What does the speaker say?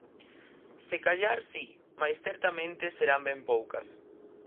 Se callar si, mais certamente serán ben poucas.